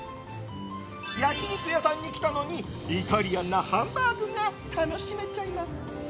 焼肉屋さんに来たのにイタリアンなハンバーグが楽しめちゃいます。